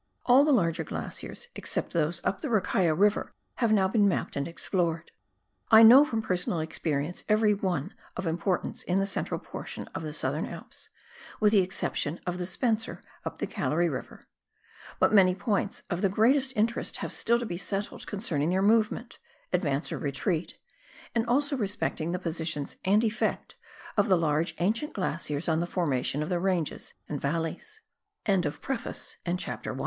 All the larger glaciers, except those up the Eakaia River, have now been mapped and explored — I know from personal ex perience every one of importance in the central portion of the Southern Alps, with the exception of the Spencer up the Gallery River — but many points of the greatest interest have still to be settled concerning their movement, advance or retreat, and also respecting the positions and effect of the large ancient glaciers on the formation of the ranges and valleys. CHAPTER II. TASMAN DISTRICT. Mou